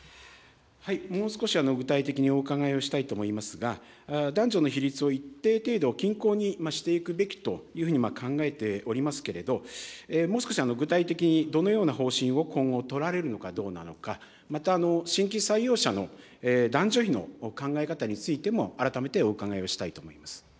もう少し具体的にお伺いをしたいと思いますが、男女の比率を一定程度、均衡にしていくべきというふうに考えておりますけれど、もう少し具体的に、どのような方針を今後取られるのかどうなのか、また新規採用者の男女比の考え方についても、改めてお伺いをしたいと思います。